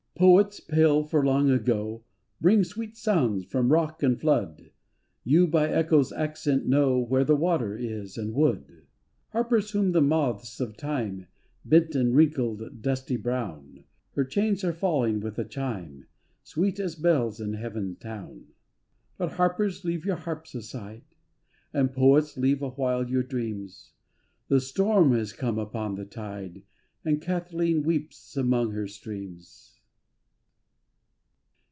Poets, pale for long ago, Bring sweet sounds from rock and flood. You by echo's accent know Where the water is and wood. Harpers whom the moths of Time Bent and wrinkled dusty brown, Her chains are falling with a chime, Sweet as bells in Heaven town. 208 THE WEDDING MORNING But, harpers, leave your harps aside, And, poets, leave awhile your dreams. The storm has come upon the tide And Cathleen weeps among her streams.